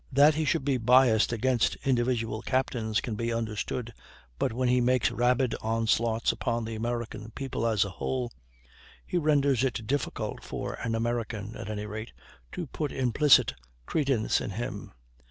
That he should be biassed against individual captains can be understood, but when he makes rabid onslaughts upon the American people as a whole, he renders it difficult for an American, at any rate, to put implicit credence in him.